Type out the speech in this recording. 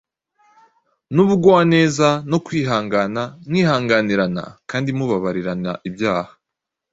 n’ubugwaneza, no kwihangana; mwihanganirana kandi mubabarirana ibyaha,